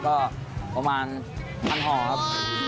ก็ประมาณ๑๐๐ห่อครับ